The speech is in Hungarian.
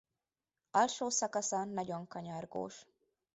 Alsó szakasza nagyon kanyargós.